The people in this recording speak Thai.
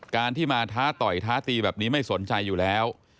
การที่มาท้าต่อยท้าตีแบบนี้ไม่สนใจอยู่แล้ว